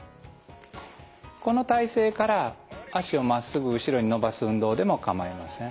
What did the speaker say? この体勢から脚をまっすぐ後ろに伸ばす運動でも構いません。